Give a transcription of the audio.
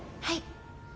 はい。